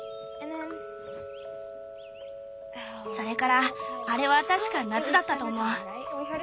それからあれは確か夏だったと思う。